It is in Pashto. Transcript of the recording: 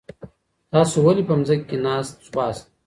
تاسي ولي په مځکي ناست سواست؟